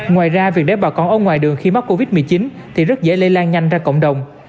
ngoài ra việc để bà con ở ngoài đường khi mắc covid một mươi chín thì rất dễ lây lan nhanh ra cộng đồng